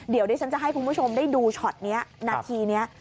เดี๋ยวดิฉันจะให้คุณผู้ชมได้ดูช็อตนี้นาทีนี้